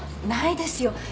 ないですよ。